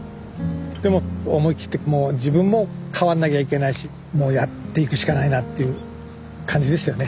でも思い切ってもう自分も変わんなきゃいけないしもうやっていくしかないなっていう感じでしたよね。